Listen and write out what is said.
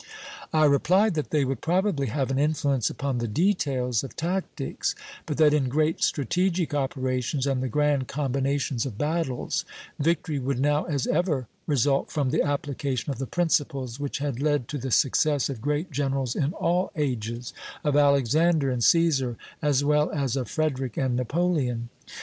I replied that they would probably have an influence upon the details of tactics, but that in great strategic operations and the grand combinations of battles, victory would, now as ever, result from the application of the principles which had led to the success of great generals in all ages; of Alexander and Cæsar, as well as of Frederick and Napoleon."